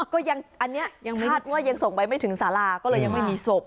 ก็ยังอันนี้ยังคาดว่ายังส่งไปไม่ถึงสาราก็เลยยังไม่มีศพ